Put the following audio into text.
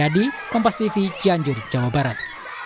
di cianjur jawa barat